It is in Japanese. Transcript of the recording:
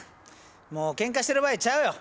もうけんかしてる場合ちゃうよ。